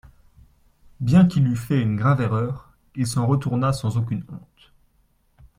Bien qu’il eût fait une grave erreur, il s’en retourna sans aucune honte.